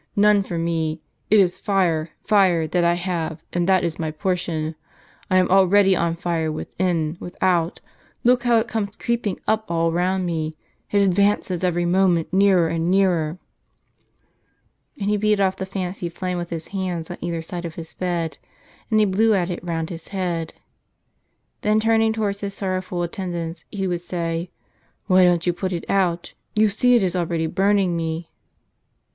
none for me! It is fire! fire! that I have, and that is my por tion. I am already on fire, within, without ! Look how it comes creeping up, all round me, it advances every moment nearer and nearer !" And he beat off the fancied flame with his hands on either side of his bed, and he blew at it round his head. Then turning towards his sorrowful attendants, he would say, "why don't you put it out? you see it is already burning me."